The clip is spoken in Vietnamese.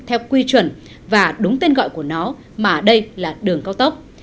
theo quy chuẩn và đúng tên gọi của nó mà đây là đường cao tốc